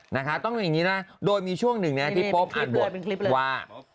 นะคะต้องจะยังงี้นะโดยมีช่วงหนึ่งนะที่โป๊ปอ่านบวชว่า